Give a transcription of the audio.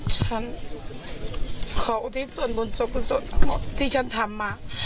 ฉันขออธิสวรรค์บรรยากาศมุจจุดสรุปที่ฉันทำมา